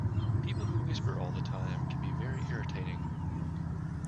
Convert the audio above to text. People who whisper all the time can be very irritating